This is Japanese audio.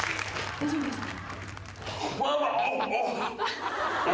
大丈夫ですか？